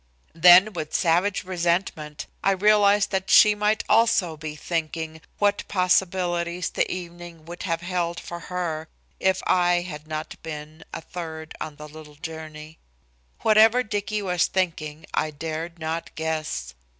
Then with savage resentment I realized that she might also be thinking what possibilities the evening would have held for her if I had not been a third on the little journey. Whatever Dicky was thinking I dared not guess.